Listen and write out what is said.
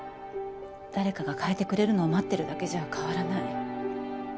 誰かが変えてくれるのを待ってるだけじゃ変わらない。